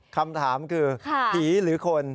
คำถามคือผีหรือคน